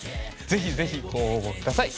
ぜひぜひご応募下さい。